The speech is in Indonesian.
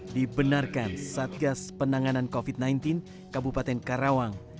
dibenarkan satgas penanganan covid sembilan belas kabupaten karawang